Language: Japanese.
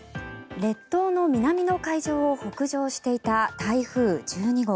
列島の南の海上を北上していた台風１２号。